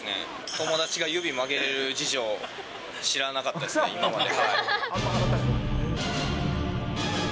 友達が指曲げれる事情、知らなかったですね、今まで。